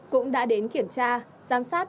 cũng đã đến kiểm tra giám sát